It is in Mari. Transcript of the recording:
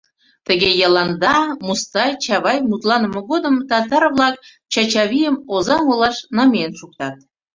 Тыге Йыланда, Мустай, Чавай мутланыме годым татар-влак Чачавийым Озаҥ олаш намиен шуктат.